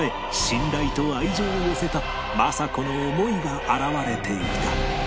信頼と愛情を寄せた政子の思いが表れていた